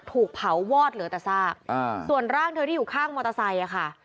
ถูกเผาวอดเหลือแต่ซากส่วนร่างเธอที่อยู่ข้างมอเตอร์ไซค์อ่ะค่ะ